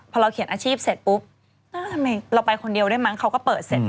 พอเราเขียนอาชีพเสร็จปุ๊บทำไมเราไปคนเดียวได้มั้งเขาก็เปิดเสร็จ